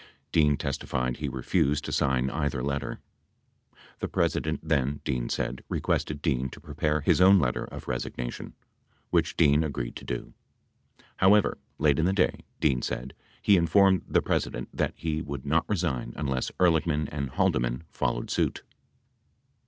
Dean testified he refused to sign either letter. The President then, Dean said, requested Dean to prepare his own letter of resigna tion, which Dean agreed to do. 92 However, later in the day, Dean said, he informed the President that he would not resign unless Ehrlichman and Haldeman followed suit.